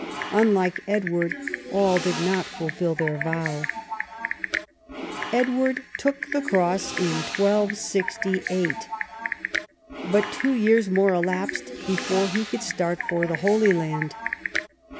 Unlike Edward, all did not fulfil their vow. Edward took the cross in 1268, but two years more elapsed before he could start for the Holy Land.